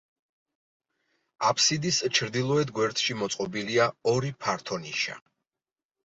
აფსიდის ჩრდილოეთ გვერდში მოწყობილია ორი ფართო ნიშა.